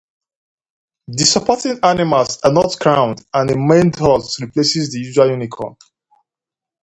The supporting animals are not crowned and a maned horse replaces the usual unicorn.